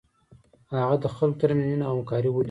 هغه د خلکو تر منځ مینه او همکاري ولیده.